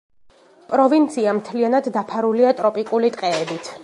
პროვინცია მთლიანად დაფარულია ტროპიკული ტყეებით.